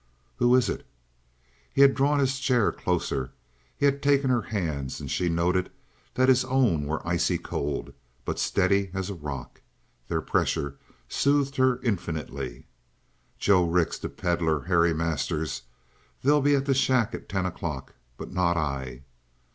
"Who is it?" He had drawn his chair closer: he had taken her hands, and she noted that his own were icy cold, but steady as a rock. Their pressure soothed her infinitely. "Joe Rix, the Pedlar, Harry Masters. They'll be at the shack at ten o'clock, but not I!"